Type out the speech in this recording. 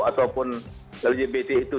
ataupun lgbt itu